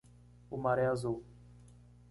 O mar é azul.